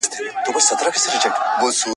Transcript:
مزاجي یووالی د څېړني عمومي کیفیت خورا لوړوي.